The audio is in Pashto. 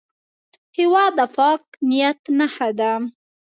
هېواد د پاک نیت نښه ده.